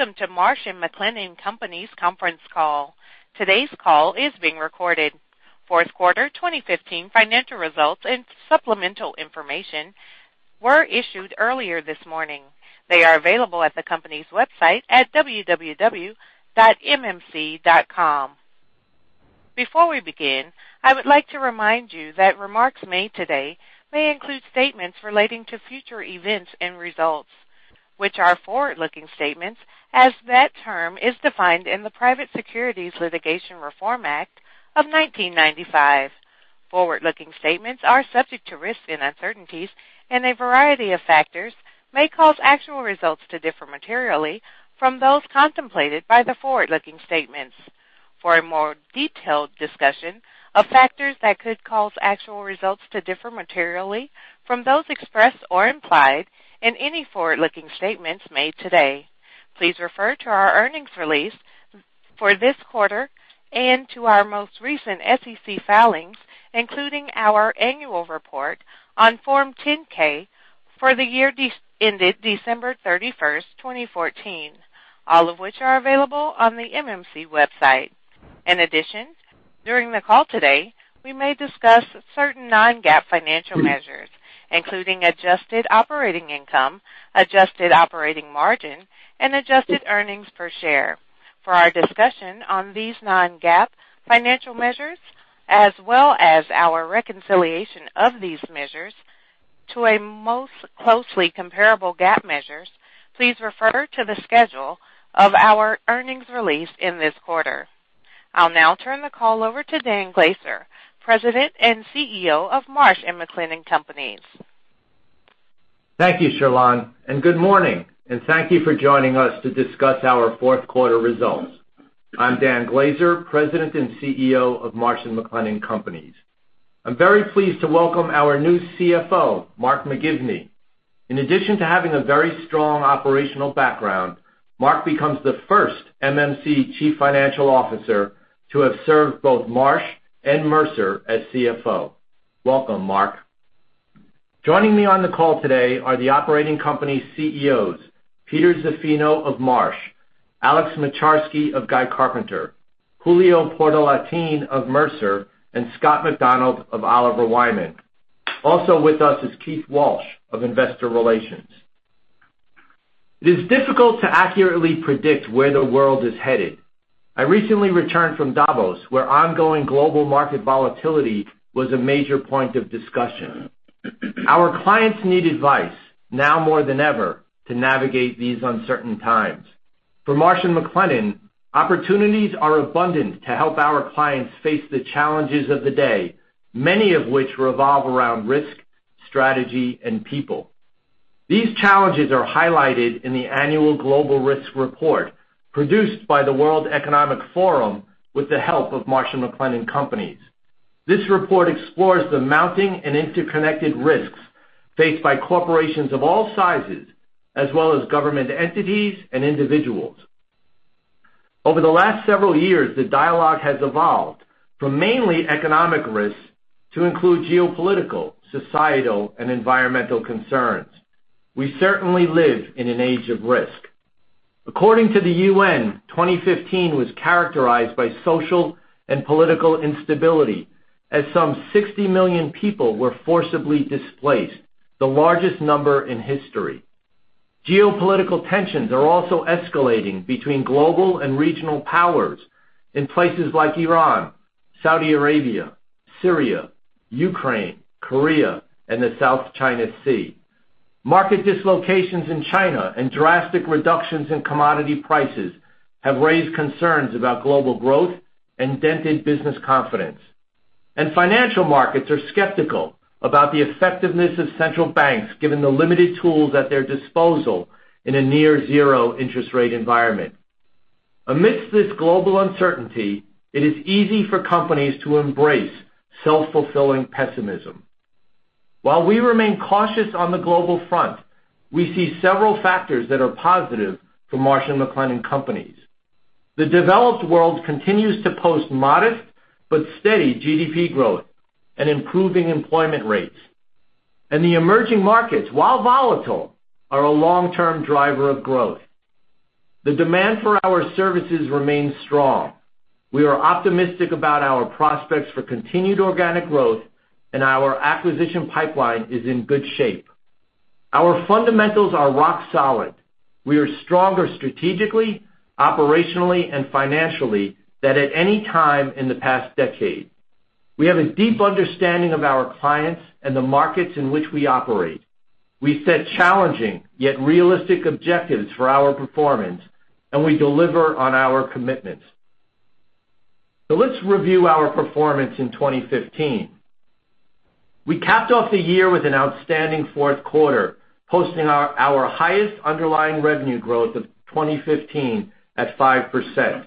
Welcome to Marsh & McLennan Companies conference call. Today's call is being recorded. Fourth quarter 2015 financial results and supplemental information were issued earlier this morning. They are available at the company's website at www.mmc.com. Before we begin, I would like to remind you that remarks made today may include statements relating to future events and results, which are forward-looking statements, as that term is defined in the Private Securities Litigation Reform Act of 1995. A variety of factors may cause actual results to differ materially from those contemplated by the forward-looking statements. For a more detailed discussion of factors that could cause actual results to differ materially from those expressed or implied in any forward-looking statements made today, please refer to our earnings release for this quarter and to our most recent SEC filings, including our annual report on Form 10-K for the year ended December 31st, 2014, all of which are available on the MMC website. In addition, during the call today, we may discuss certain non-GAAP financial measures, including adjusted operating income, adjusted operating margin, and adjusted earnings per share. For our discussion on these non-GAAP financial measures, as well as our reconciliation of these measures to a most closely comparable GAAP measures, please refer to the schedule of our earnings release in this quarter. I'll now turn the call over to Dan Glaser, President and CEO of Marsh & McLennan Companies. Thank you, Shalon, good morning, and thank you for joining us to discuss our fourth quarter results. I'm Dan Glaser, President and CEO of Marsh & McLennan Companies. I'm very pleased to welcome our new CFO, Mark McGivney. In addition to having a very strong operational background, Mark becomes the first MMC Chief Financial Officer to have served both Marsh and Mercer as CFO. Welcome, Mark. Joining me on the call today are the operating company CEOs, Peter Zaffino of Marsh, Alex Moczarski of Guy Carpenter, Julio Portalatin of Mercer, and Scott McDonald of Oliver Wyman. Also with us is Keith Walsh of Investor Relations. It is difficult to accurately predict where the world is headed. I recently returned from Davos, where ongoing global market volatility was a major point of discussion. Our clients need advice, now more than ever, to navigate these uncertain times. For Marsh & McLennan, opportunities are abundant to help our clients face the challenges of the day, many of which revolve around risk, strategy, and people. These challenges are highlighted in the Annual Global Risks Report, produced by the World Economic Forum with the help of Marsh & McLennan Companies. This report explores the mounting and interconnected risks faced by corporations of all sizes, as well as government entities and individuals. Over the last several years, the dialogue has evolved from mainly economic risks to include geopolitical, societal, and environmental concerns. We certainly live in an age of risk. According to the UN, 2015 was characterized by social and political instability as some 60 million people were forcibly displaced, the largest number in history. Geopolitical tensions are also escalating between global and regional powers in places like Iran, Saudi Arabia, Syria, Ukraine, Korea, and the South China Sea. Market dislocations in China and drastic reductions in commodity prices have raised concerns about global growth and dented business confidence. Financial markets are skeptical about the effectiveness of central banks, given the limited tools at their disposal in a near zero interest rate environment. Amidst this global uncertainty, it is easy for companies to embrace self-fulfilling pessimism. While we remain cautious on the global front, we see several factors that are positive for Marsh & McLennan Companies. The developed world continues to post modest but steady GDP growth and improving employment rates. The emerging markets, while volatile, are a long-term driver of growth. The demand for our services remains strong. We are optimistic about our prospects for continued organic growth, and our acquisition pipeline is in good shape. Our fundamentals are rock solid. We are stronger strategically, operationally, and financially than at any time in the past decade. We have a deep understanding of our clients and the markets in which we operate. We set challenging yet realistic objectives for our performance, and we deliver on our commitments. Let's review our performance in 2015. We capped off the year with an outstanding fourth quarter, posting our highest underlying revenue growth of 2015 at 5%.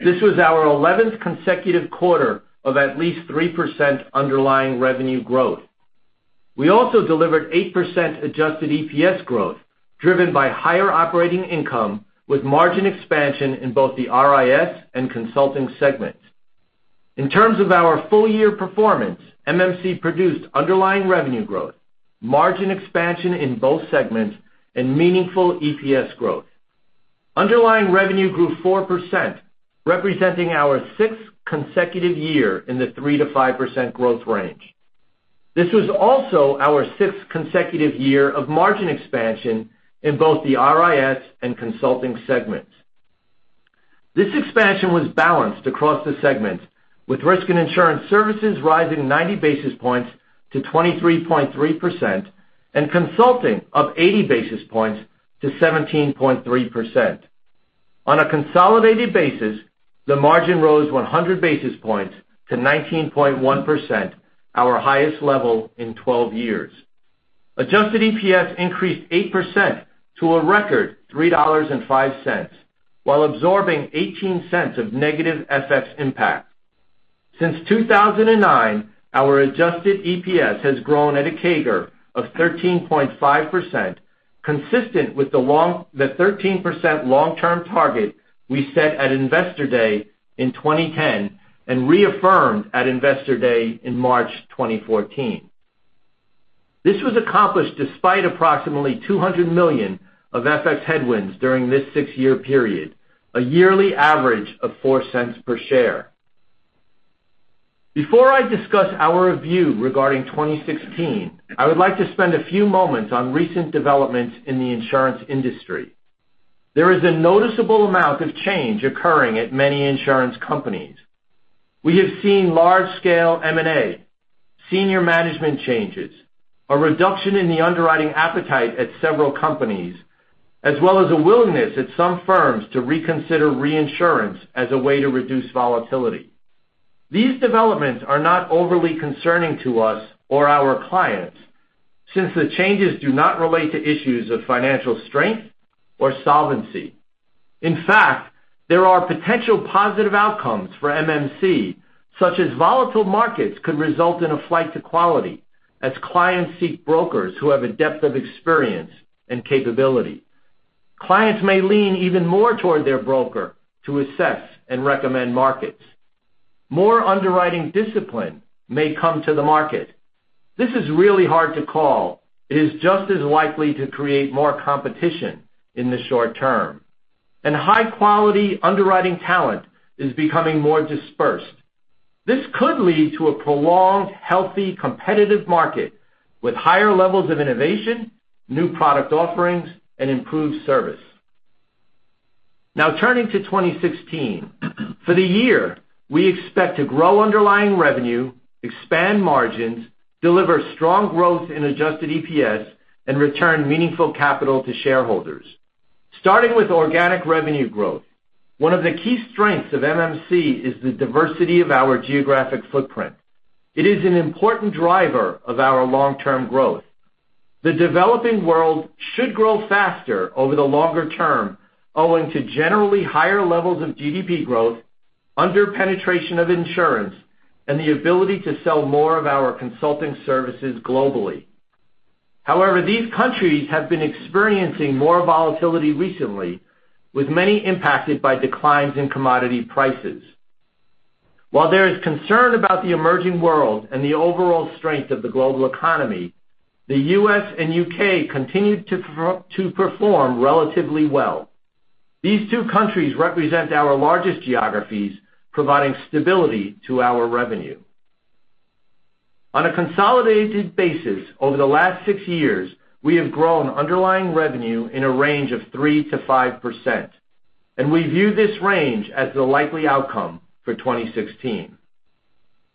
This was our 11th consecutive quarter of at least 3% underlying revenue growth. We also delivered 8% adjusted EPS growth, driven by higher operating income with margin expansion in both the RIS and consulting segments. In terms of our full-year performance, MMC produced underlying revenue growth, margin expansion in both segments, and meaningful EPS growth. Underlying revenue grew 4%, representing our sixth consecutive year in the 3%-5% growth range. This was also our sixth consecutive year of margin expansion in both the RIS and consulting segments. This expansion was balanced across the segments with Risk and Insurance Services rising 90 basis points to 23.3%, and consulting up 80 basis points to 17.3%. On a consolidated basis, the margin rose 100 basis points to 19.1%, our highest level in 12 years. Adjusted EPS increased 8% to a record $3.05 while absorbing $0.18 of negative FX impact. Since 2009, our adjusted EPS has grown at a CAGR of 13.5%, consistent with the 13% long-term target we set at Investor Day in 2010 and reaffirmed at Investor Day in March 2014. This was accomplished despite approximately $200 million of FX headwinds during this six-year period, a yearly average of $0.04 per share. Before I discuss our view regarding 2016, I would like to spend a few moments on recent developments in the insurance industry. There is a noticeable amount of change occurring at many insurance companies. We have seen large-scale M&A, senior management changes, a reduction in the underwriting appetite at several companies, as well as a willingness at some firms to reconsider reinsurance as a way to reduce volatility. These developments are not overly concerning to us or our clients, since the changes do not relate to issues of financial strength or solvency. In fact, there are potential positive outcomes for MMC, such as volatile markets could result in a flight to quality as clients seek brokers who have a depth of experience and capability. Clients may lean even more toward their broker to assess and recommend markets. More underwriting discipline may come to the market. This is really hard to call. It is just as likely to create more competition in the short term. High-quality underwriting talent is becoming more dispersed. This could lead to a prolonged, healthy competitive market with higher levels of innovation, new product offerings, and improved service. Turning to 2016. For the year, we expect to grow underlying revenue, expand margins, deliver strong growth in adjusted EPS, and return meaningful capital to shareholders. Starting with organic revenue growth. One of the key strengths of MMC is the diversity of our geographic footprint. It is an important driver of our long-term growth. The developing world should grow faster over the longer term, owing to generally higher levels of GDP growth, under-penetration of insurance, and the ability to sell more of our consulting services globally. These countries have been experiencing more volatility recently, with many impacted by declines in commodity prices. While there is concern about the emerging world and the overall strength of the global economy, the U.S. and U.K. continue to perform relatively well. These two countries represent our largest geographies, providing stability to our revenue. On a consolidated basis over the last six years, we have grown underlying revenue in a range of 3%-5%, and we view this range as the likely outcome for 2016.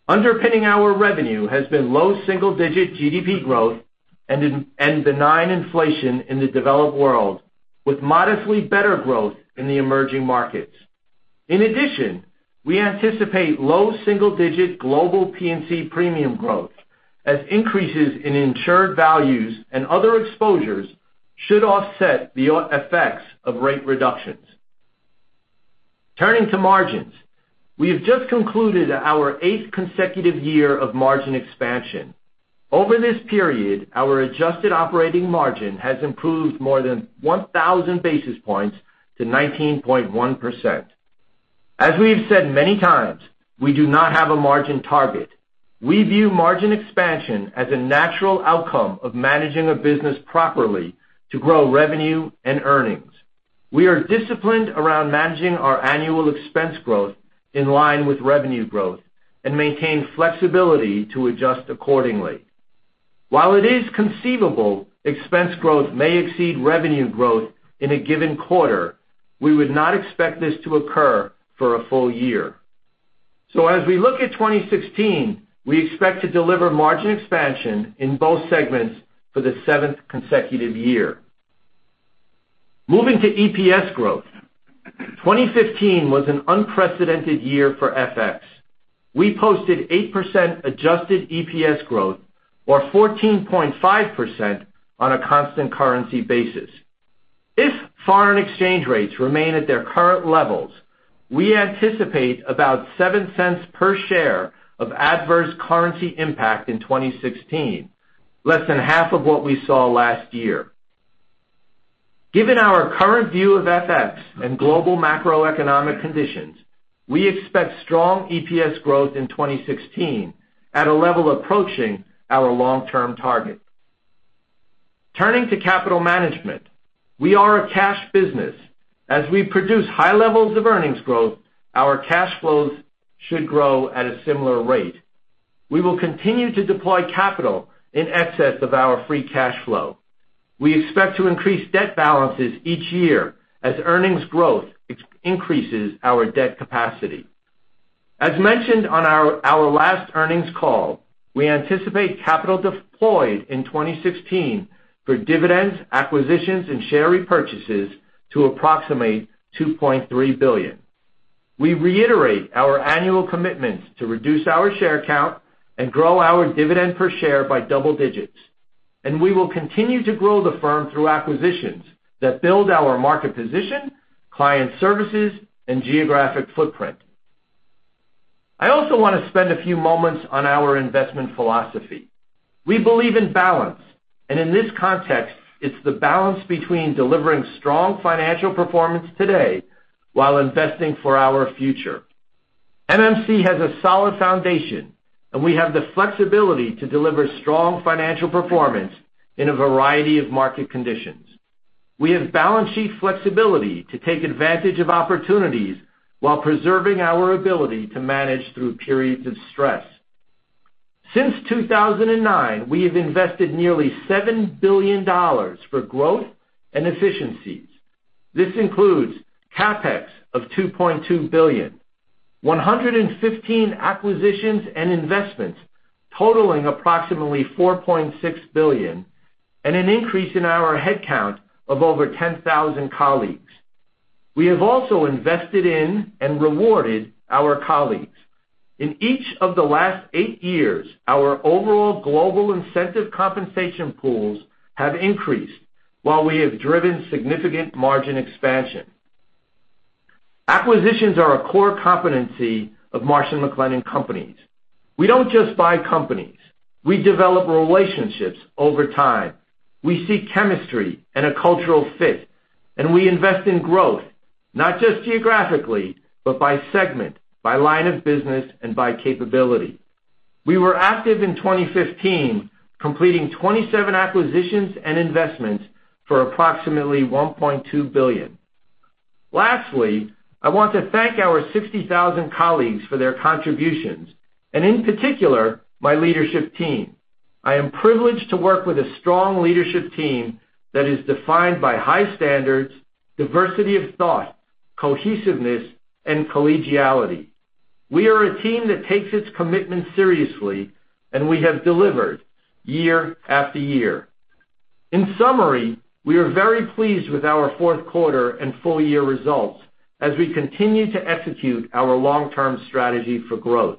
Underpinning our revenue has been low single-digit GDP growth and benign inflation in the developed world, with modestly better growth in the emerging markets. In addition, we anticipate low single-digit global P&C premium growth as increases in insured values and other exposures should offset the effects of rate reductions. Turning to margins. We have just concluded our eighth consecutive year of margin expansion. Over this period, our adjusted operating margin has improved more than 1,000 basis points to 19.1%. As we have said many times, we do not have a margin target. We view margin expansion as a natural outcome of managing a business properly to grow revenue and earnings. We are disciplined around managing our annual expense growth in line with revenue growth and maintain flexibility to adjust accordingly. While it is conceivable expense growth may exceed revenue growth in a given quarter, we would not expect this to occur for a full year. As we look at 2016, we expect to deliver margin expansion in both segments for the seventh consecutive year. Moving to EPS growth. 2015 was an unprecedented year for FX. We posted 8% adjusted EPS growth or 14.5% on a constant currency basis. If foreign exchange rates remain at their current levels, we anticipate about $0.07 per share of adverse currency impact in 2016, less than half of what we saw last year. Given our current view of FX and global macroeconomic conditions, we expect strong EPS growth in 2016 at a level approaching our long-term target. Turning to capital management, we are a cash business. As we produce high levels of earnings growth, our cash flows should grow at a similar rate. We will continue to deploy capital in excess of our free cash flow. We expect to increase debt balances each year as earnings growth increases our debt capacity. As mentioned on our last earnings call, we anticipate capital deployed in 2016 for dividends, acquisitions, and share repurchases to approximate $2.3 billion. We reiterate our annual commitments to reduce our share count and grow our dividend per share by double digits. We will continue to grow the firm through acquisitions that build our market position, client services, and geographic footprint. I also want to spend a few moments on our investment philosophy. We believe in balance. In this context, it's the balance between delivering strong financial performance today while investing for our future. MMC has a solid foundation. We have the flexibility to deliver strong financial performance in a variety of market conditions. We have balance sheet flexibility to take advantage of opportunities while preserving our ability to manage through periods of stress. Since 2009, we have invested nearly $7 billion for growth and efficiencies. This includes CapEx of $2.2 billion, 115 acquisitions and investments totaling approximately $4.6 billion, an increase in our headcount of over 10,000 colleagues. We have also invested in and rewarded our colleagues. In each of the last eight years, our overall global incentive compensation pools have increased while we have driven significant margin expansion. Acquisitions are a core competency of Marsh & McLennan Companies. We don't just buy companies. We develop relationships over time. We seek chemistry and a cultural fit. We invest in growth, not just geographically, but by segment, by line of business, and by capability. We were active in 2015, completing 27 acquisitions and investments for approximately $1.2 billion. Lastly, I want to thank our 60,000 colleagues for their contributions. In particular, my leadership team. I am privileged to work with a strong leadership team that is defined by high standards, diversity of thought, cohesiveness, and collegiality. We are a team that takes its commitment seriously. We have delivered year after year. In summary, we are very pleased with our fourth quarter and full-year results as we continue to execute our long-term strategy for growth.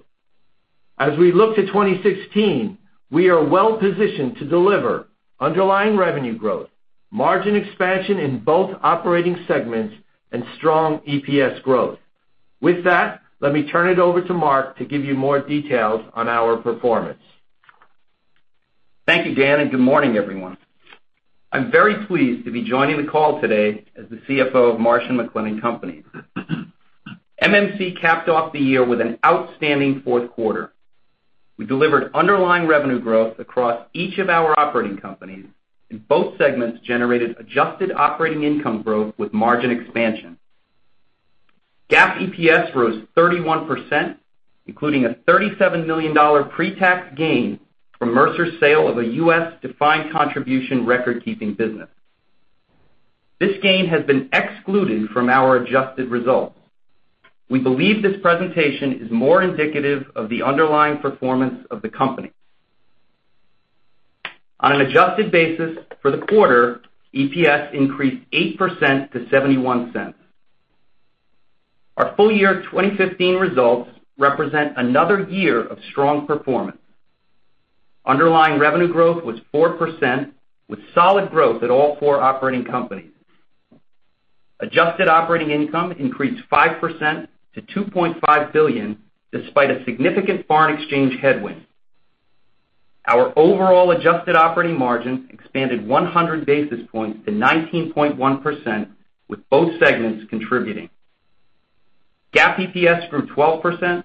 As we look to 2016, we are well-positioned to deliver underlying revenue growth, margin expansion in both operating segments, strong EPS growth. With that, let me turn it over to Mark to give you more details on our performance. Thank you, Dan. Good morning, everyone. I'm very pleased to be joining the call today as the CFO of Marsh & McLennan Companies. MMC capped off the year with an outstanding fourth quarter. We delivered underlying revenue growth across each of our operating companies. Both segments generated adjusted operating income growth with margin expansion. GAAP EPS rose 31%, including a $37 million pre-tax gain from Mercer's sale of a U.S. defined contribution record-keeping business. This gain has been excluded from our adjusted results. We believe this presentation is more indicative of the underlying performance of the company. On an adjusted basis for the quarter, EPS increased 8% to $0.71. Our full-year 2015 results represent another year of strong performance. Underlying revenue growth was 4%, with solid growth at all four operating companies. Adjusted operating income increased 5% to $2.5 billion, despite a significant foreign exchange headwind. Our overall adjusted operating margin expanded 100 basis points to 19.1%, with both segments contributing. GAAP EPS grew 12%,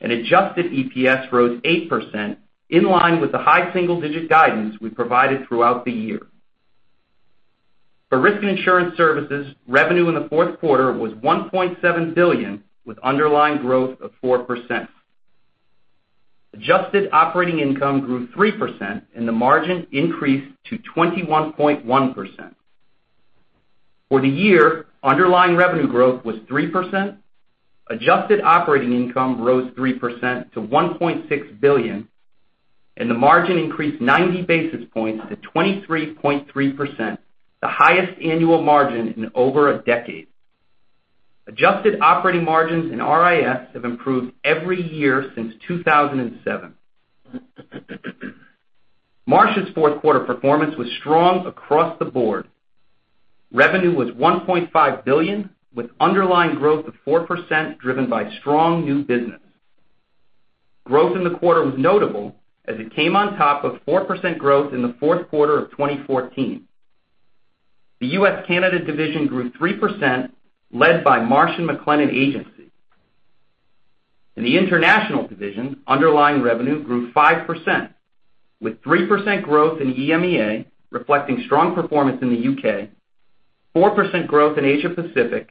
and adjusted EPS rose 8%, in line with the high single-digit guidance we provided throughout the year. For Risk and Insurance Services, revenue in the fourth quarter was $1.7 billion, with underlying growth of 4%. Adjusted operating income grew 3%, and the margin increased to 21.1%. For the year, underlying revenue growth was 3%, adjusted operating income rose 3% to $1.6 billion, and the margin increased 90 basis points to 23.3%, the highest annual margin in over a decade. Adjusted operating margins in RIS have improved every year since 2007. Marsh's fourth quarter performance was strong across the board. Revenue was $1.5 billion, with underlying growth of 4%, driven by strong new business. Growth in the quarter was notable as it came on top of 4% growth in the fourth quarter of 2014. The U.S. Canada division grew 3%, led by Marsh & McLennan Agency. In the international division, underlying revenue grew 5%, with 3% growth in EMEA, reflecting strong performance in the U.K., 4% growth in Asia Pacific,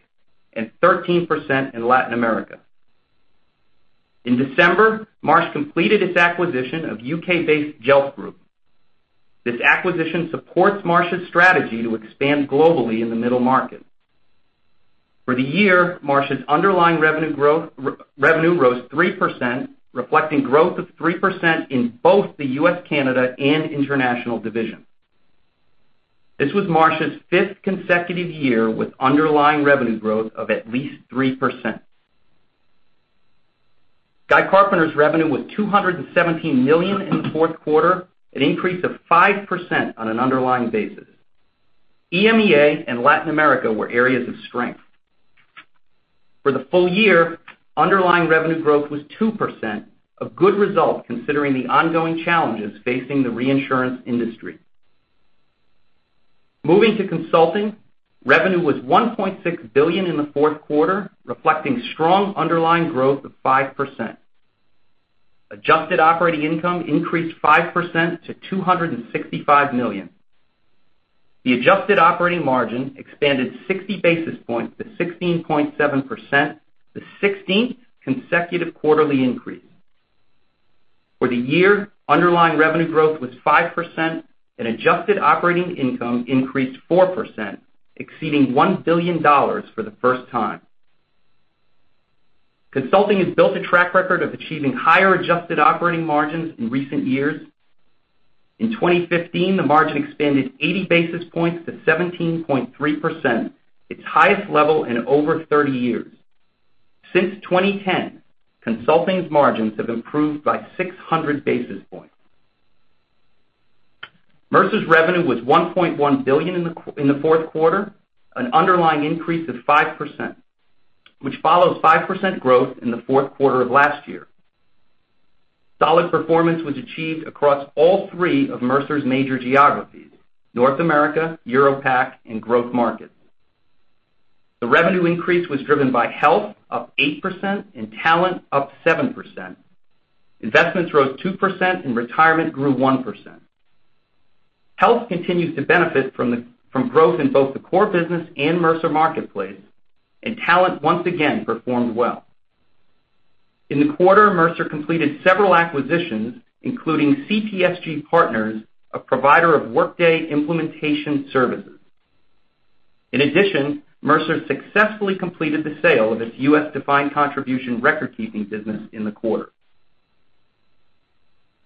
and 13% in Latin America. In December, Marsh completed its acquisition of U.K.-based Jelf Group. This acquisition supports Marsh's strategy to expand globally in the middle market. For the year, Marsh's underlying revenue rose 3%, reflecting growth of 3% in both the U.S. Canada and international divisions. This was Marsh's fifth consecutive year with underlying revenue growth of at least 3%. Guy Carpenter's revenue was $217 million in the fourth quarter, an increase of 5% on an underlying basis. EMEA and Latin America were areas of strength. For the full year, underlying revenue growth was 2%, a good result considering the ongoing challenges facing the reinsurance industry. Moving to consulting, revenue was $1.6 billion in the fourth quarter, reflecting strong underlying growth of 5%. Adjusted operating income increased 5% to $265 million. The adjusted operating margin expanded 60 basis points to 16.7%, the 16th consecutive quarterly increase. For the year, underlying revenue growth was 5%, and adjusted operating income increased 4%, exceeding $1 billion for the first time. Consulting has built a track record of achieving higher adjusted operating margins in recent years. In 2015, the margin expanded 80 basis points to 17.3%, its highest level in over 30 years. Since 2010, consulting's margins have improved by 600 basis points. Mercer's revenue was $1.1 billion in the fourth quarter, an underlying increase of 5%, which follows 5% growth in the fourth quarter of last year. Solid performance was achieved across all three of Mercer's major geographies, North America, Europe/Pacific, and growth markets. The revenue increase was driven by health up 8% and talent up 7%. Investments rose 2% and retirement grew 1%. Health continues to benefit from growth in both the core business and Mercer Marketplace, and talent once again performed well. In the quarter, Mercer completed several acquisitions, including CPSG Partners, a provider of Workday implementation services. In addition, Mercer successfully completed the sale of its U.S. defined contribution record-keeping business in the quarter.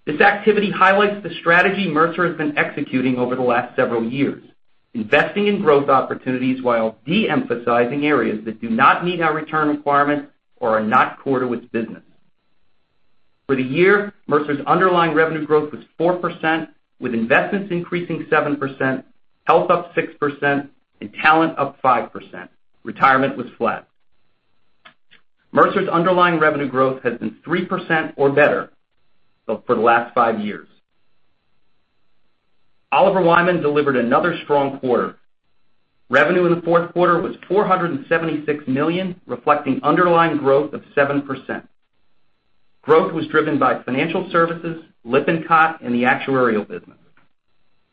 This activity highlights the strategy Mercer has been executing over the last several years, investing in growth opportunities while de-emphasizing areas that do not meet our return requirements or are not core to its business. For the year, Mercer's underlying revenue growth was 4%, with investments increasing 7%, health up 6%, and talent up 5%. Retirement was flat. Mercer's underlying revenue growth has been 3% or better for the last five years. Oliver Wyman delivered another strong quarter. Revenue in the fourth quarter was $476 million, reflecting underlying growth of 7%. Growth was driven by financial services, Lippincott, and the actuarial business.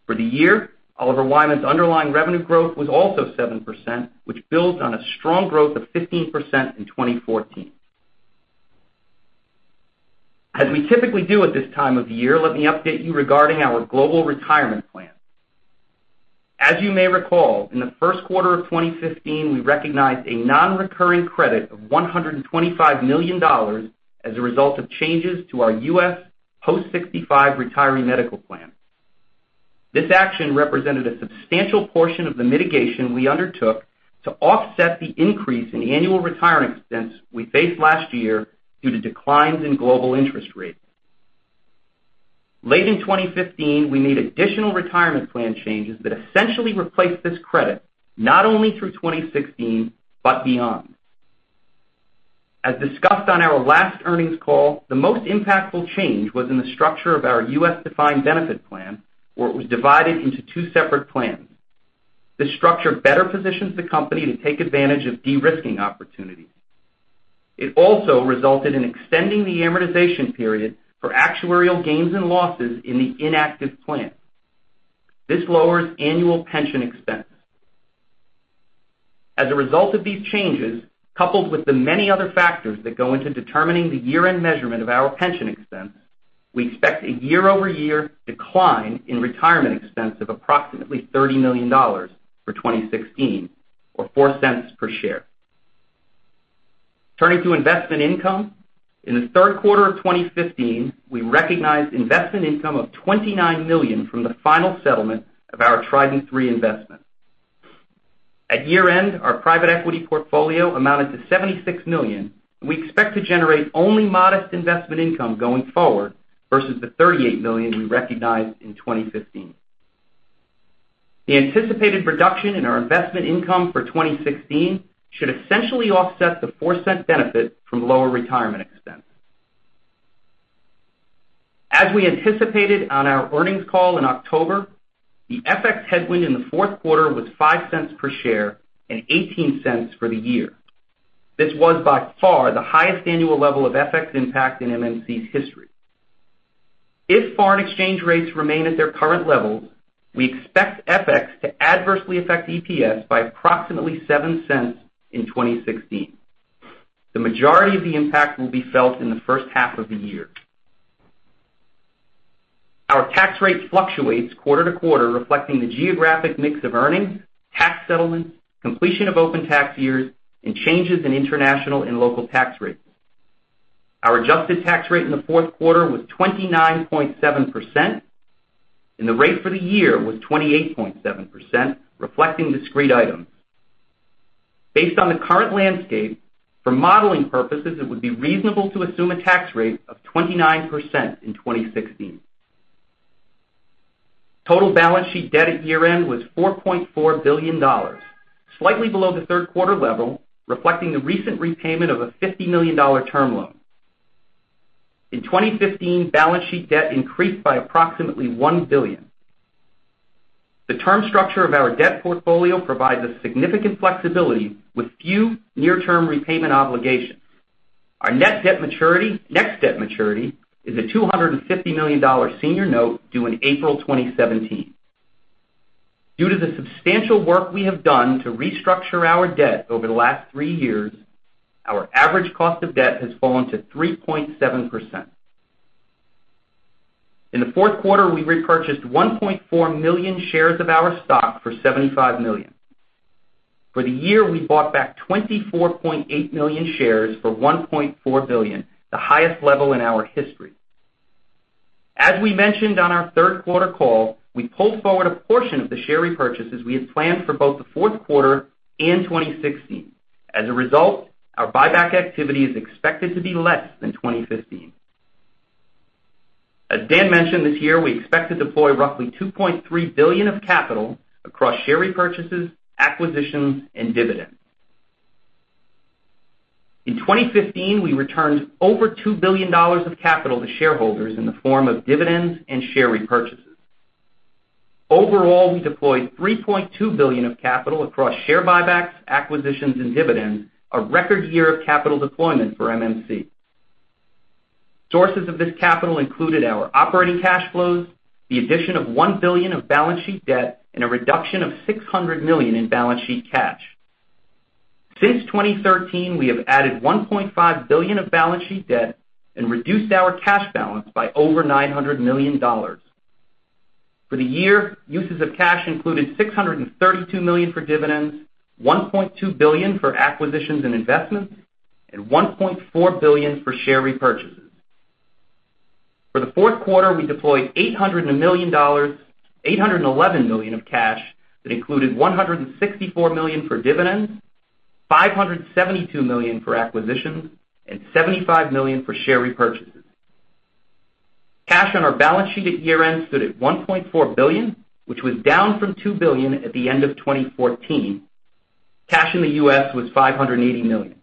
For the year, Oliver Wyman's underlying revenue growth was also 7%, which builds on a strong growth of 15% in 2014. As we typically do at this time of year, let me update you regarding our global retirement plan. As you may recall, in the first quarter of 2015, we recognized a non-recurring credit of $125 million as a result of changes to our U.S. Post-65 retiree medical plan. This action represented a substantial portion of the mitigation we undertook to offset the increase in annual retirement expense we faced last year due to declines in global interest rates. Late in 2015, we made additional retirement plan changes that essentially replaced this credit, not only through 2016 but beyond. As discussed on our last earnings call, the most impactful change was in the structure of our U.S. defined benefit plan, where it was divided into two separate plans. This structure better positions the company to take advantage of de-risking opportunities. It also resulted in extending the amortization period for actuarial gains and losses in the inactive plan. This lowers annual pension expense. As a result of these changes, coupled with the many other factors that go into determining the year-end measurement of our pension expense, we expect a year-over-year decline in retirement expense of approximately $30 million for 2016 or $0.04 per share. Turning to investment income. In the third quarter of 2015, we recognized investment income of $29 million from the final settlement of our Trident III investment. At year-end, our private equity portfolio amounted to $76 million, and we expect to generate only modest investment income going forward versus the $38 million we recognized in 2015. The anticipated reduction in our investment income for 2016 should essentially offset the $0.04 benefit from lower retirement expense. As we anticipated on our earnings call in October, the FX headwind in the fourth quarter was $0.05 per share and $0.18 for the year. This was by far the highest annual level of FX impact in MMC's history. If foreign exchange rates remain at their current levels, we expect FX to adversely affect EPS by approximately $0.07 in 2016. The majority of the impact will be felt in the first half of the year. Our tax rate fluctuates quarter to quarter, reflecting the geographic mix of earnings, tax settlements, completion of open tax years, and changes in international and local tax rates. Our adjusted tax rate in the fourth quarter was 29.7%, and the rate for the year was 28.7%, reflecting discrete items. Based on the current landscape, for modeling purposes, it would be reasonable to assume a tax rate of 29% in 2016. Total balance sheet debt at year-end was $4.4 billion, slightly below the third quarter level, reflecting the recent repayment of a $50 million term loan. In 2015, balance sheet debt increased by approximately $1 billion. The term structure of our debt portfolio provides us significant flexibility with few near-term repayment obligations. Our next debt maturity is a $250 million senior note due in April 2017. Due to the substantial work we have done to restructure our debt over the last three years, our average cost of debt has fallen to 3.7%. In the fourth quarter, we repurchased 1.4 million shares of our stock for $75 million. For the year, we bought back 24.8 million shares for $1.4 billion, the highest level in our history. As we mentioned on our third quarter call, we pulled forward a portion of the share repurchases we had planned for both the fourth quarter and 2016. As a result, our buyback activity is expected to be less than 2015. As Dan mentioned, this year, we expect to deploy roughly $2.3 billion of capital across share repurchases, acquisitions, and dividends. In 2015, we returned over $2 billion of capital to shareholders in the form of dividends and share repurchases. Overall, we deployed $3.2 billion of capital across share buybacks, acquisitions, and dividends, a record year of capital deployment for MMC. Sources of this capital included our operating cash flows, the addition of $1 billion of balance sheet debt, and a reduction of $600 million in balance sheet cash. Since 2013, we have added $1.5 billion of balance sheet debt and reduced our cash balance by over $900 million. For the year, uses of cash included $632 million for dividends, $1.2 billion for acquisitions and investments, and $1.4 billion for share repurchases. For the fourth quarter, we deployed $811 million of cash that included $164 million for dividends, $572 million for acquisitions, and $75 million for share repurchases. Cash on our balance sheet at year-end stood at $1.4 billion, which was down from $2 billion at the end of 2014. Cash in the U.S. was $580 million.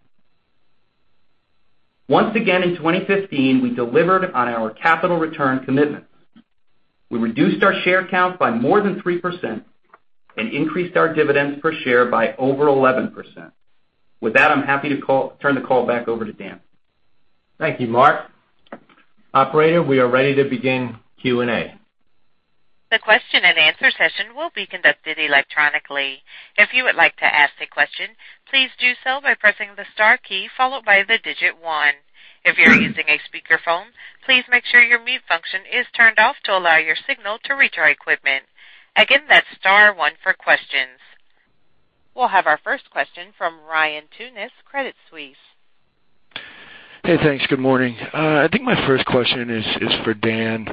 Once again, in 2015, we delivered on our capital return commitments. We reduced our share count by more than 3% and increased our dividends per share by over 11%. With that, I'm happy to turn the call back over to Dan. Thank you, Mark. Operator, we are ready to begin Q&A. The question and answer session will be conducted electronically. If you would like to ask a question, please do so by pressing the star key followed by the digit 1. If you're using a speakerphone, please make sure your mute function is turned off to allow your signal to reach our equipment. Again, that's star 1 for questions. We'll have our first question from Ryan Tunis, Credit Suisse. Hey, thanks. Good morning. I think my first question is for Dan.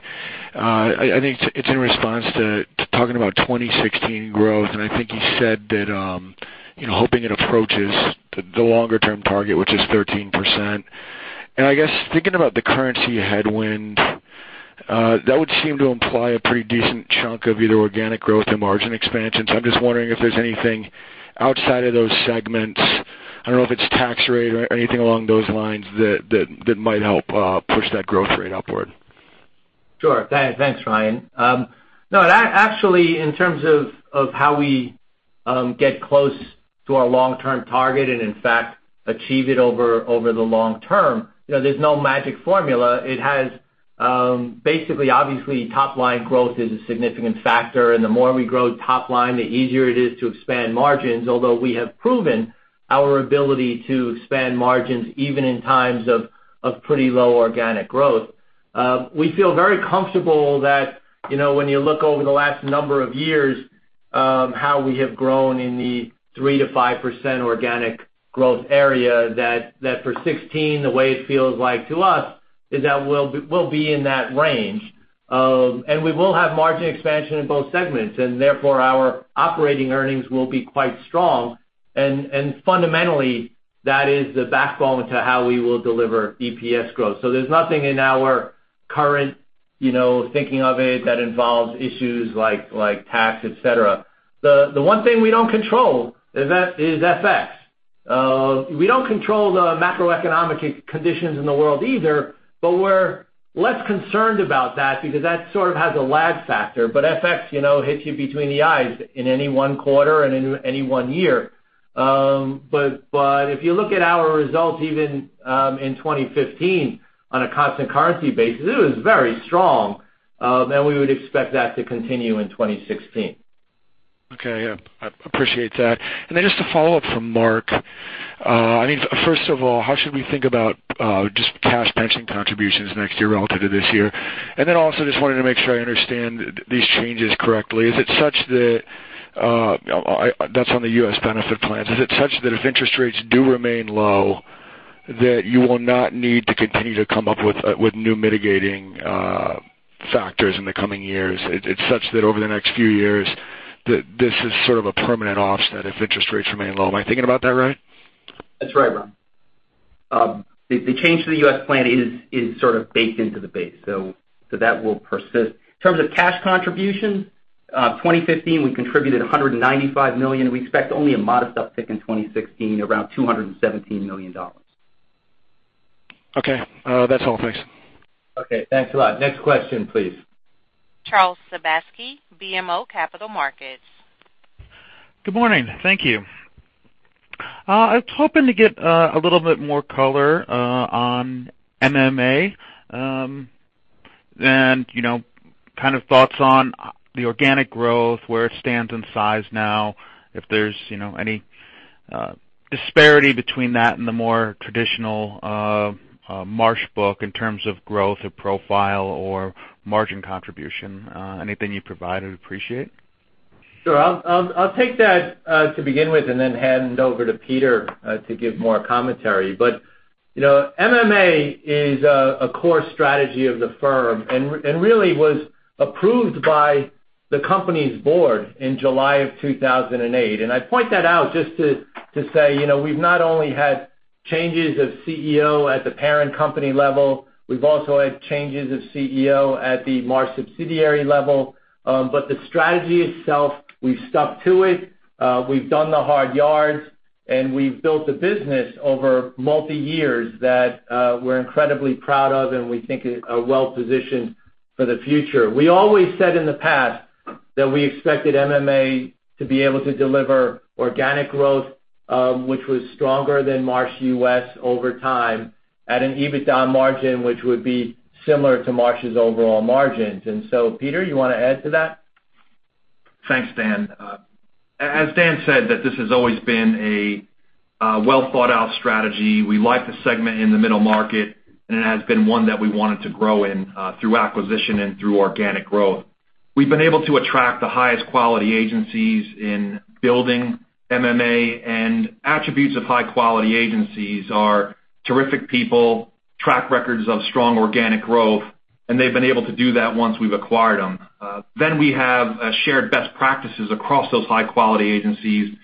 I think it's in response to talking about 2016 growth, and I think you said that hoping it approaches the longer-term target, which is 13%. I guess thinking about the currency headwind, that would seem to imply a pretty decent chunk of either organic growth or margin expansion. I'm just wondering if there's anything outside of those segments. I don't know if it's tax rate or anything along those lines that might help push that growth rate upward. Sure. Thanks, Ryan. No, actually, in terms of how we get close to our long-term target and in fact achieve it over the long term, there's no magic formula. Basically, obviously, top-line growth is a significant factor, and the more we grow top line, the easier it is to expand margins, although we have proven our ability to expand margins even in times of pretty low organic growth. We feel very comfortable that when you look over the last number of years, how we have grown in the 3%-5% organic growth area, that for 2016, the way it feels like to us is that we'll be in that range. We will have margin expansion in both segments, and therefore, our operating earnings will be quite strong. Fundamentally, that is the backbone to how we will deliver EPS growth. There's nothing in our current thinking of it that involves issues like tax, et cetera. The one thing we don't control is FX. We don't control the macroeconomic conditions in the world either, but we're less concerned about that because that sort of has a lag factor. FX hits you between the eyes in any one quarter and in any one year. If you look at our results, even in 2015, on a constant currency basis, it was very strong. We would expect that to continue in 2016. Okay. I appreciate that. Just a follow-up from Mark. I mean, first of all, how should we think about just cash pension contributions next year relative to this year? Also just wanted to make sure I understand these changes correctly. That's on the U.S. benefit plans. Is it such that if interest rates do remain low, that you will not need to continue to come up with new mitigating factors in the coming years? It's such that over the next few years, that this is sort of a permanent offset if interest rates remain low. Am I thinking about that right? That's right, Ryan. The change to the U.S. plan is sort of baked into the base. That will persist. In terms of cash contribution, 2015, we contributed $195 million. We expect only a modest uptick in 2016, around $217 million. Okay. That's all. Thanks. Okay. Thanks a lot. Next question, please. Charles Sebaski, BMO Capital Markets. Good morning. Thank you. I was hoping to get a little bit more color on MMA. Kind of thoughts on the organic growth, where it stands in size now, if there's any disparity between that and the more traditional Marsh book in terms of growth or profile or margin contribution. Anything you'd provide, I'd appreciate. Sure. I'll take that to begin with, then hand over to Peter to give more commentary. MMA is a core strategy of the firm, really was approved by the company's board in July of 2008. I point that out just to say, we've not only had changes of CEO at the parent company level, we've also had changes of CEO at the Marsh subsidiary level. The strategy itself, we've stuck to it, we've done the hard yards, and we've built a business over multi-years that we're incredibly proud of and we think is well-positioned for the future. We always said in the past that we expected MMA to be able to deliver organic growth which was stronger than Marsh U.S. over time at an EBITDA margin which would be similar to Marsh's overall margins. So Peter, you want to add to that? Thanks, Dan. As Dan said, this has always been a well-thought-out strategy. We like the segment in the middle market, it has been one that we wanted to grow in through acquisition and through organic growth. We've been able to attract the highest quality agencies in building MMA, attributes of high quality agencies are terrific people, track records of strong organic growth, and they've been able to do that once we've acquired them. We have shared best practices across those high-quality agencies,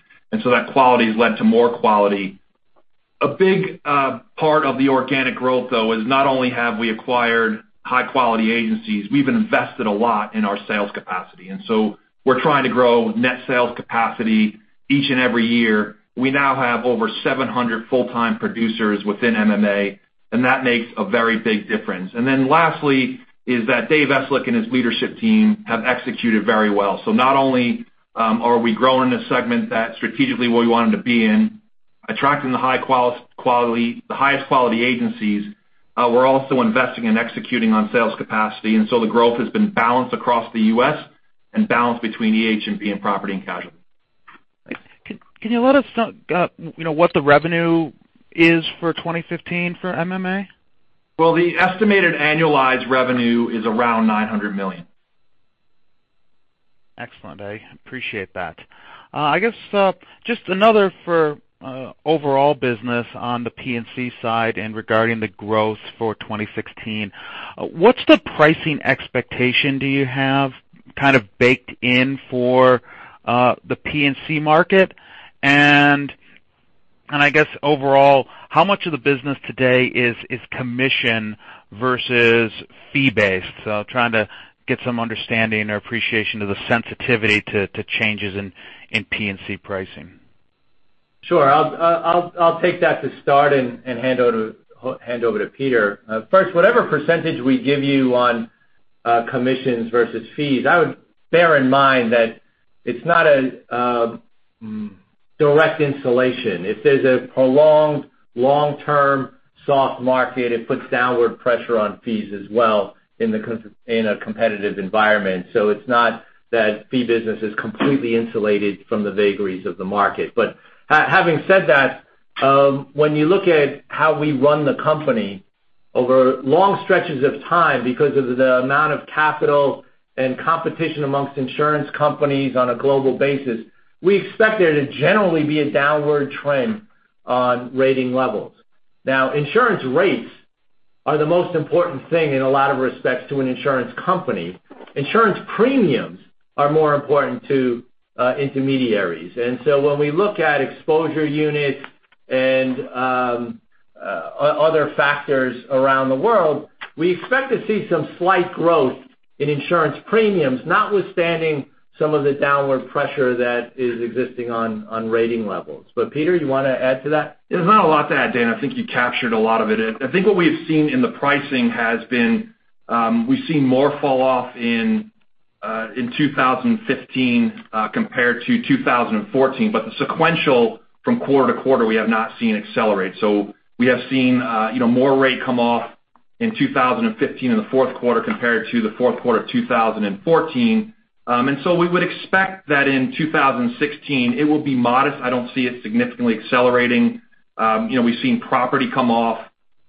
so that quality has led to more quality. A big part of the organic growth, though, is not only have we acquired high quality agencies, we've invested a lot in our sales capacity. So we're trying to grow net sales capacity each and every year. We now have over 700 full-time producers within MMA, that makes a very big difference. Lastly is that Dave Eslick and his leadership team have executed very well. Not only are we growing a segment that strategically we wanted to be in, attracting the highest quality agencies, we're also investing in executing on sales capacity. The growth has been balanced across the U.S. and balanced between EH&B and property and casualty. Can you let us know what the revenue is for 2015 for MMA? Well, the estimated annualized revenue is around $900 million. Excellent. I appreciate that. I guess just another for overall business on the P&C side and regarding the growth for 2016. What's the pricing expectation do you have kind of baked in for the P&C market? I guess overall, how much of the business today is commission versus fee-based? Trying to get some understanding or appreciation of the sensitivity to changes in P&C pricing. Sure. I'll take that to start and hand over to Peter. First, whatever % we give you on commissions versus fees, I would bear in mind that it's not a direct insulation. If there's a prolonged long-term soft market, it puts downward pressure on fees as well in a competitive environment. It's not that fee business is completely insulated from the vagaries of the market. Having said that, when you look at how we run the company over long stretches of time because of the amount of capital and competition amongst insurance companies on a global basis, we expect there to generally be a downward trend on rating levels. Now, insurance rates are the most important thing in a lot of respects to an insurance company. Insurance premiums are more important to intermediaries. When we look at exposure units and other factors around the world. We expect to see some slight growth in insurance premiums, notwithstanding some of the downward pressure that is existing on rating levels. Peter, you want to add to that? There's not a lot to add, Dan. I think you captured a lot of it. I think what we have seen in the pricing is we've seen more fall-off in 2015 compared to 2014. The sequential from quarter to quarter, we have not seen it accelerate. We have seen more rate come off in 2015 in the fourth quarter compared to the fourth quarter of 2014. We would expect that in 2016, it will be modest. I don't see it significantly accelerating. We've seen property come off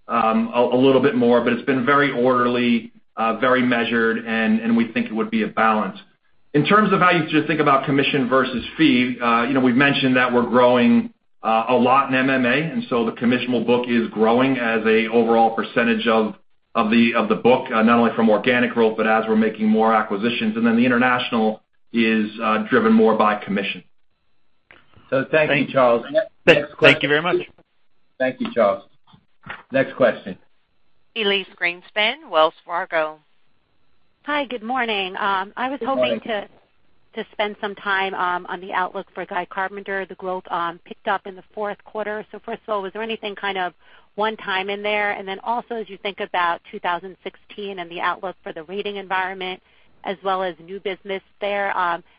a little bit more, but it's been very orderly, very measured, and we think it would be a balance. In terms of how you should think about commission versus fee, we've mentioned that we're growing a lot in MMA, the commissionable book is growing as an overall % of the book, not only from organic growth but as we're making more acquisitions. The international is driven more by commission. Thank you, Charles. Thank you very much. Thank you, Charles. Next question. Elyse Greenspan, Wells Fargo. Hi, good morning. Good morning. I was hoping to spend some time on the outlook for Guy Carpenter. The growth picked up in the fourth quarter. First of all, was there anything kind of one-time in there? Also, as you think about 2016 and the outlook for the rating environment as well as new business there,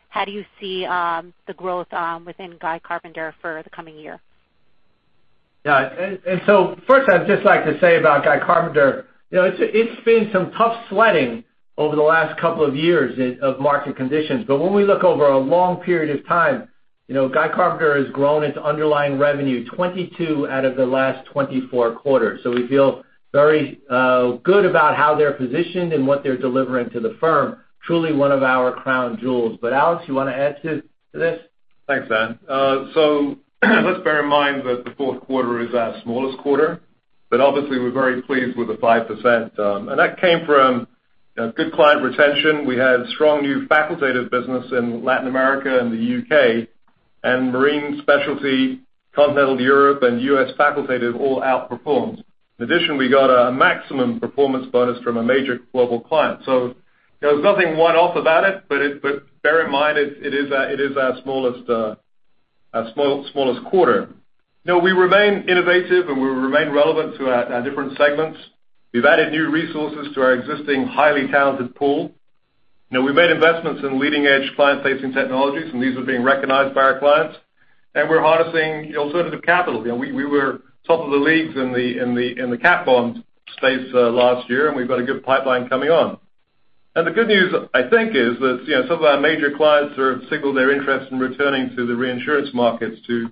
how do you see the growth within Guy Carpenter for the coming year? Yeah. First, I'd just like to say about Guy Carpenter, it's been some tough sweating over the last couple of years of market conditions. When we look over a long period of time, Guy Carpenter has grown its underlying revenue 22 out of the last 24 quarters. We feel very good about how they're positioned and what they're delivering to the firm. Truly one of our crown jewels. Alex, you want to add to this? Thanks, Dan. Let's bear in mind that the fourth quarter is our smallest quarter, but obviously, we're very pleased with the 5%. That came from good client retention. We had strong new facultative business in Latin America and the U.K., and marine specialty, continental Europe, and U.S. facultative all outperformed. In addition, we got a maximum performance bonus from a major global client. There was nothing one-off about it, but bear in mind, it is our smallest quarter. We remain innovative, and we remain relevant to our different segments. We've added new resources to our existing highly talented pool. We made investments in leading-edge client-facing technologies, and these are being recognized by our clients. We're harnessing alternative capital. We were top of the leagues in the cat bonds space last year, and we've got a good pipeline coming on. The good news, I think, is that some of our major clients have signaled their interest in returning to the reinsurance markets to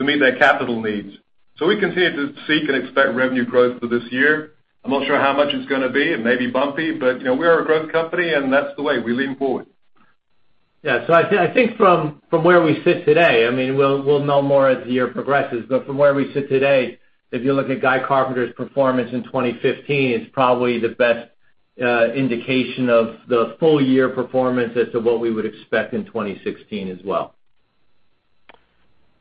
meet their capital needs. We continue to seek and expect revenue growth for this year. I'm not sure how much it's going to be. It may be bumpy, but we are a growth company, and that's the way. We lean forward. Yeah. I think from where we sit today, we'll know more as the year progresses. From where we sit today, if you look at Guy Carpenter's performance in 2015, it's probably the best indication of the full year performance as to what we would expect in 2016 as well.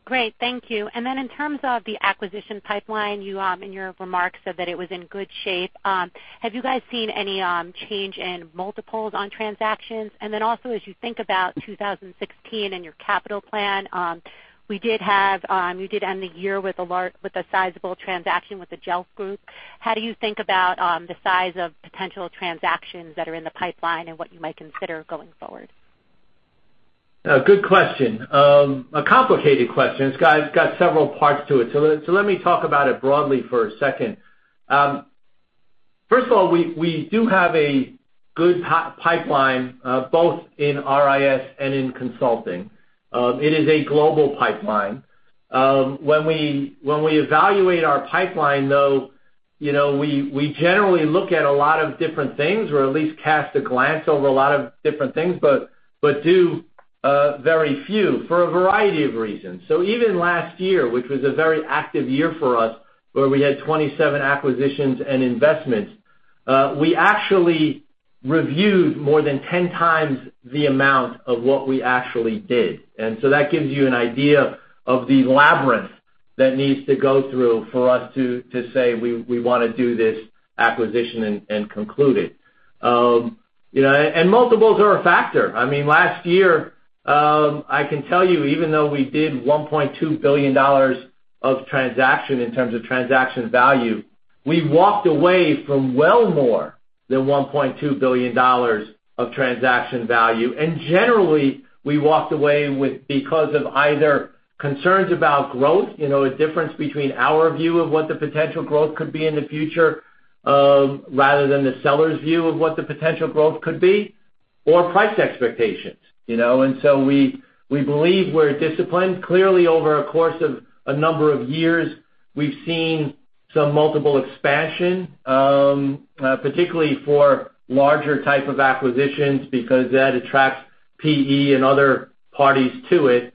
Great. Thank you. In terms of the acquisition pipeline, you in your remarks said that it was in good shape. Have you guys seen any change in multiples on transactions? Also, as you think about 2016 and your capital plan, you did end the year with a sizable transaction with the Jelf Group. How do you think about the size of potential transactions that are in the pipeline and what you might consider going forward? A good question. A complicated question. It's got several parts to it. Let me talk about it broadly for a second. First of all, we do have a good pipeline both in RIS and in consulting. It is a global pipeline. When we evaluate our pipeline, though, we generally look at a lot of different things or at least cast a glance over a lot of different things, but do very few, for a variety of reasons. Even last year, which was a very active year for us, where we had 27 acquisitions and investments, we actually reviewed more than 10 times the amount of what we actually did. That gives you an idea of the labyrinth that needs to go through for us to say we want to do this acquisition and conclude it. Multiples are a factor. Last year, I can tell you, even though we did $1.2 billion of transaction in terms of transaction value, we walked away from well more than $1.2 billion of transaction value. Generally, we walked away because of either concerns about growth, a difference between our view of what the potential growth could be in the future rather than the seller's view of what the potential growth could be, or price expectations. We believe we're disciplined. Clearly, over a course of a number of years, we've seen some multiple expansion, particularly for larger type of acquisitions because that attracts PE and other parties to it.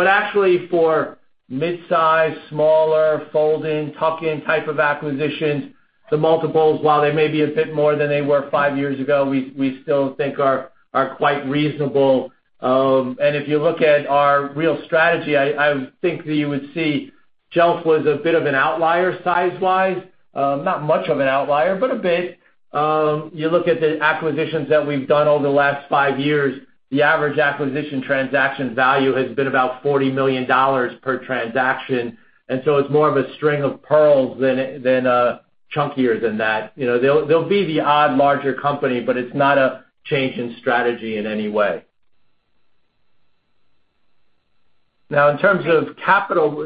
Actually for mid-size, smaller, fold-in, tuck-in type of acquisitions The multiples, while they may be a bit more than they were five years ago, we still think are quite reasonable. If you look at our real strategy, I think that you would see Jelf was a bit of an outlier size-wise, not much of an outlier, but a bit. You look at the acquisitions that we've done over the last five years, the average acquisition transaction value has been about $40 million per transaction, it's more of a string of pearls than chunkier than that. There'll be the odd larger company, but it's not a change in strategy in any way. Now, in terms of capital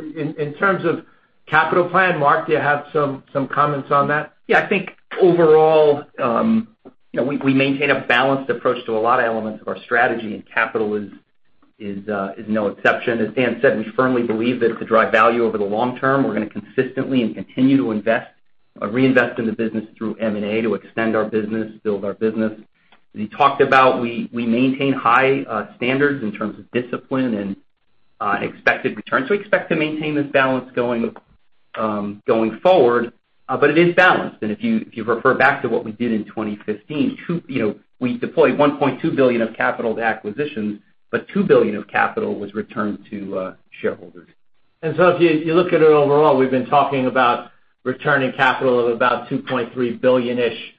plan, Mark, do you have some comments on that? I think overall, we maintain a balanced approach to a lot of elements of our strategy, and capital is no exception. As Dan said, we firmly believe that to drive value over the long term, we're going to consistently and continue to reinvest in the business through M&A to extend our business, build our business. As he talked about, we maintain high standards in terms of discipline and expected return. We expect to maintain this balance going forward. It is balanced, and if you refer back to what we did in 2015, we deployed $1.2 billion of capital to acquisitions, but $2 billion of capital was returned to shareholders. If you look at it overall, we've been talking about returning capital of about $2.3 billion-ish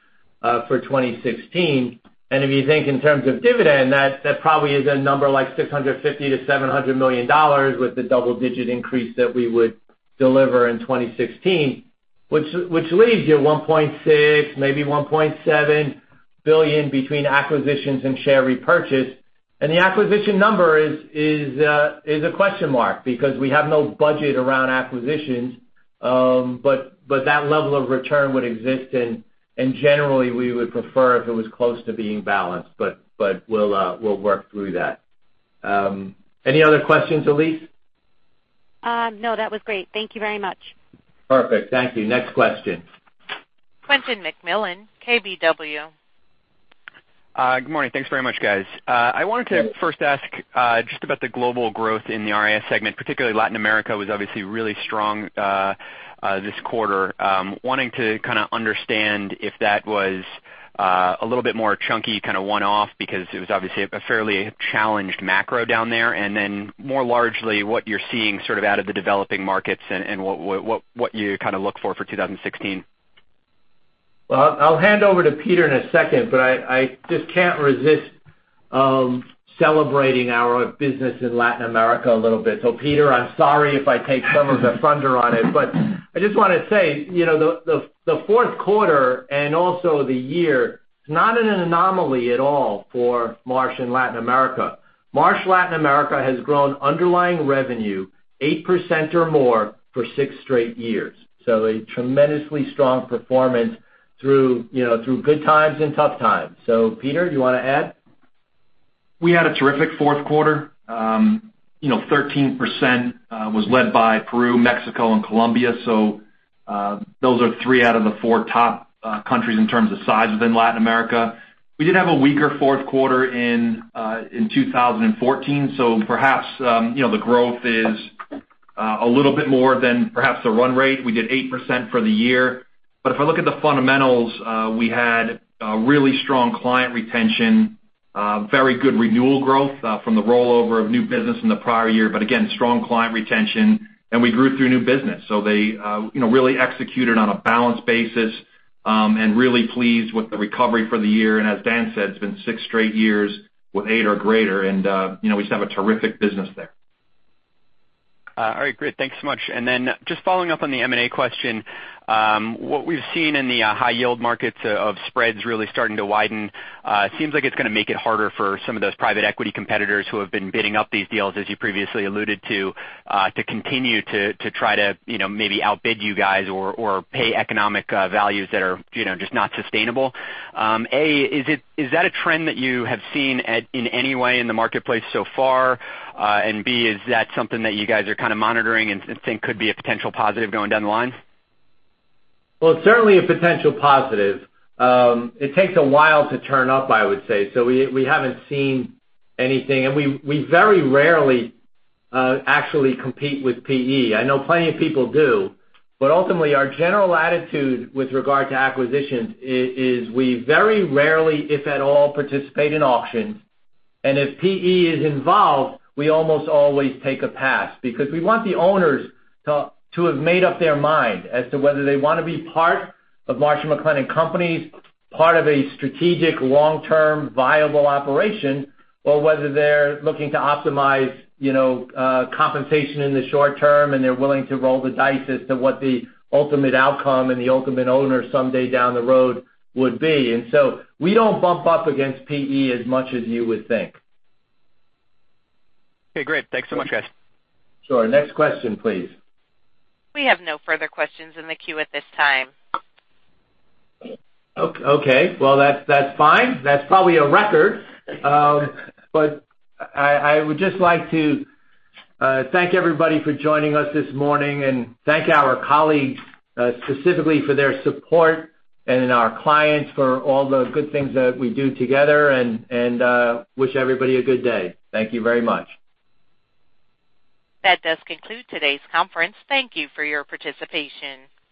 for 2016. If you think in terms of dividend, that probably is a number like $650 million-$700 million with the double-digit increase that we would deliver in 2016, which leaves you $1.6, maybe $1.7 billion between acquisitions and share repurchase. The acquisition number is a question mark because we have no budget around acquisitions. That level of return would exist, and generally, we would prefer if it was close to being balanced. We'll work through that. Any other questions, Elyse? No, that was great. Thank you very much. Perfect. Thank you. Next question. Quentin McMillan, KBW. Good morning. Thanks very much, guys. I wanted to first ask just about the global growth in the RIS segment, particularly Latin America was obviously really strong this quarter. Wanting to kind of understand if that was a little bit more chunky, kind of one-off, because it was obviously a fairly challenged macro down there, then more largely, what you're seeing sort of out of the developing markets and what you kind of look for 2016. I'll hand over to Peter in a second, but I just can't resist celebrating our business in Latin America a little bit. Peter, I'm sorry if I take some of the thunder on it, but I just want to say, the fourth quarter and also the year, it's not an anomaly at all for Marsh in Latin America. Marsh Latin America has grown underlying revenue 8% or more for six straight years. A tremendously strong performance through good times and tough times. Peter, do you want to add? We had a terrific fourth quarter. 13% was led by Peru, Mexico, and Colombia. Those are three out of the four top countries in terms of size within Latin America. We did have a weaker fourth quarter in 2014. Perhaps, the growth is a little bit more than perhaps the run rate. We did 8% for the year. If I look at the fundamentals, we had a really strong client retention, very good renewal growth from the rollover of new business in the prior year, but again, strong client retention, and we grew through new business. They really executed on a balanced basis, and really pleased with the recovery for the year. As Dan said, it's been six straight years with eight or greater, and we just have a terrific business there. All right, great. Thanks so much. Then just following up on the M&A question. What we've seen in the high yield markets of spreads really starting to widen, seems like it's going to make it harder for some of those private equity competitors who have been bidding up these deals, as you previously alluded to continue to try to maybe outbid you guys or pay economic values that are just not sustainable. A, is that a trend that you have seen in any way in the marketplace so far? B, is that something that you guys are kind of monitoring and think could be a potential positive going down the line? Well, it's certainly a potential positive. It takes a while to turn up, I would say. We haven't seen anything, and we very rarely actually compete with PE. I know plenty of people do. Ultimately, our general attitude with regard to acquisitions is we very rarely, if at all, participate in auctions. If PE is involved, we almost always take a pass because we want the owners to have made up their mind as to whether they want to be part of Marsh & McLennan Companies, part of a strategic long-term viable operation, or whether they're looking to optimize compensation in the short term, and they're willing to roll the dice as to what the ultimate outcome and the ultimate owner someday down the road would be. We don't bump up against PE as much as you would think. Okay, great. Thanks so much, guys. Sure. Next question, please. We have no further questions in the queue at this time. Okay. Well, that's fine. That's probably a record. I would just like to thank everybody for joining us this morning and thank our colleagues specifically for their support and our clients for all the good things that we do together and wish everybody a good day. Thank you very much. That does conclude today's conference. Thank you for your participation.